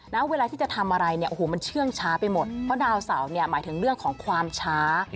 เวลาที่จะทำอะไรเนี่ยโอ้โหมันเชื่องช้าไปหมดเพราะดาวเสาเนี่ยหมายถึงเรื่องของความช้า